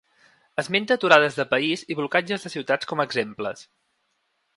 Esmenta aturades de país i blocatges de ciutats com a exemples.